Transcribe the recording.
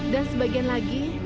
dan sebagian lagi